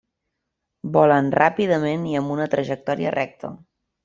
Volen ràpidament i amb una trajectòria recta.